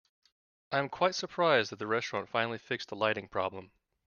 I am quite surprised that the restaurant finally fixed the lighting problem.